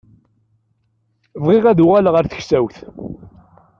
Bɣiɣ ad uɣaleɣ ar teksawt.